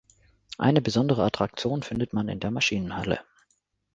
Eine besondere Attraktion findet man in der Maschinenhalle.